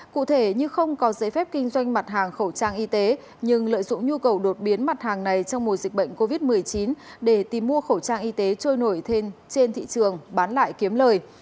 cụ thể như không có giấy phép kinh doanh mặt hàng khẩu trang y tế nhưng lợi dụng nhu cầu đột biến mặt hàng này trong mùa dịch bệnh covid một mươi chín để tìm mua khẩu trang y tế trôi nổi trên thị trường bán lại kiếm lời